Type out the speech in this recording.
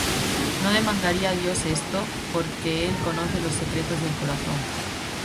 ¿No demandaría Dios esto? Porque él conoce los secretos del corazón.